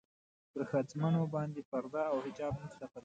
پر ښځمنو باندې پرده او حجاب نه تپل کېږي.